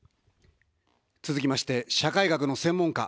続きまして、社会学の専門家。